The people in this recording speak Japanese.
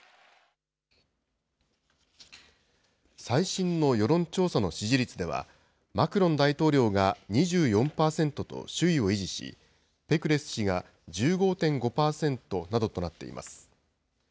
最新の世論調査の支持率では、マクロン大統領が２４％と首位を維持し、ペクレス氏が１５．５％などとなっています。